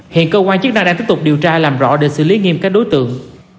hiện cơ quan chức năng đang tiếp tục điều tra làm rõ để xử lý nghiêm các đối tượng